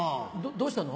どうしたの？